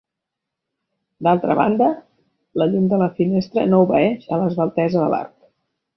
D'altra banda, la llum de la finestra no obeeix a l'esveltesa de l'arc.